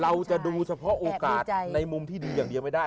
เราจะดูเฉพาะโอกาสในมุมที่ดีอย่างเดียวไม่ได้